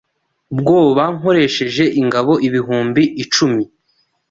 ubwoba Nkoresheje ingabo ibihumbi icumi